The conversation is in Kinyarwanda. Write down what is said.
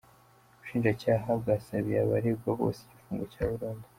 Ubushinjacyaha bwasabiye abaregwa bose igifungo cya burundu.